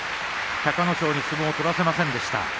隆の勝に相撲を取らせませんでした。